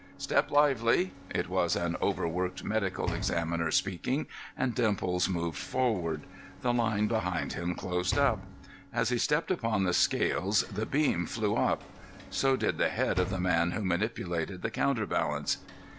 "Step lively!" It was an overworked medical examiner speaking, and Dimples moved forward; the line behind him closed up. As he stepped upon the scales the beam flew up; so did the head of the man who manipulated the counter balance.